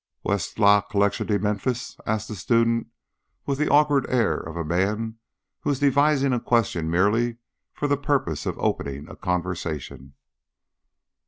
"Ou est la collection de Memphis?" asked the student, with the awkward air of a man who is devising a question merely for the purpose of opening a conversation.